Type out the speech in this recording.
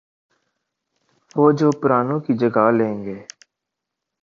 وہ جو پرانوں کی جگہ لیں گے۔